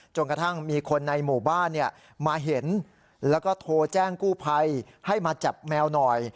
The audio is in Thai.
กระทั่งมีคนในหมู่บ้านมาเห็นแล้วก็โทรแจ้งกู้ภัยให้มาจับแมวหน่อย